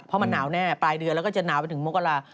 เพราะมันหนาวแน่ปลายเดือนแล้วก็จะหนาวไปถึงมกรา